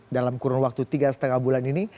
dalam kurun waktu tiga lima bulan ini